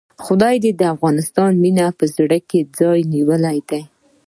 د خدای او افغانستان مينې په زړه کې ځای نيولی دی.